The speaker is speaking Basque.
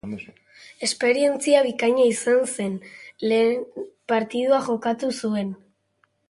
Esperientzia bikaina izan zen, lehen partidua jokatu zuen.